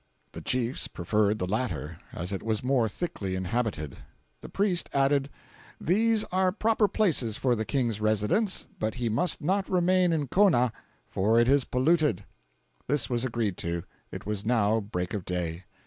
The chiefs preferred the latter, as it was more thickly inhabited. The priest added, 'These are proper places for the King's residence; but he must not remain in Kona, for it is polluted.' This was agreed to. It was now break of day.